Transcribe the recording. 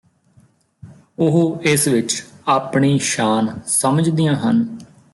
ਉਹ ਇਸ ਵਿਚ ਆਪਣੀ ਸ਼ਾਨ ਸਮਝਦੀਆਂ ਹਨ